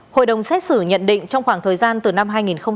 hội đồng xét xử nhận định trong khoảng thời gian từ năm hai nghìn một mươi